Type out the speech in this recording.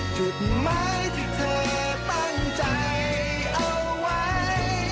จุดไม้ที่เธอตั้งใจเอาไว้